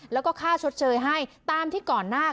แล้วก็ค่าชดเชยให้ตามที่ก่อนหน้า